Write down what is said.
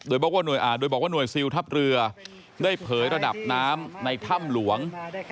โดยบอกว่าหน่วยซิลทัพเรือได้เผยระดับน้ำในถ้ำหลวง